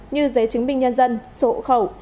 như giấy chứng minh nhân dân sổ hộ khẩu